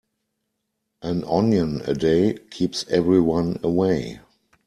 An onion a day keeps everyone away.